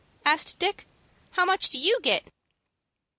asked Dick. "How much do you get?"